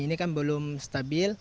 ini kan belum stabil